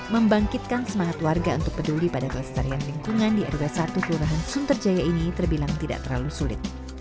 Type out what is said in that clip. membangkitkan semangat warga untuk peduli pada kelestarian lingkungan di rw satu kelurahan sunterjaya ini terbilang tidak terlalu sulit